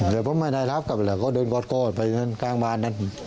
เพราะไม่ได้รับกับเขาแหละก็เดินก็อดไปจากบ้านนั้น